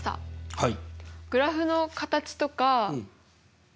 はい。